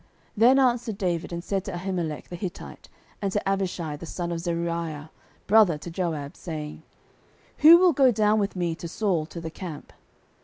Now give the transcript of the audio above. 09:026:006 Then answered David and said to Ahimelech the Hittite, and to Abishai the son of Zeruiah, brother to Joab, saying, Who will go down with me to Saul to the camp?